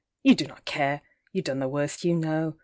You do not care—You done the worst you know.